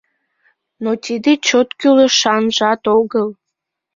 Но тиде чот кӱлешанжат огыл.